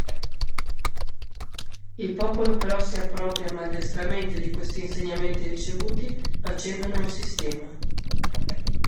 Il popolo però si appropria maldestramente di questi insegnamenti ricevuti facendone un sistema.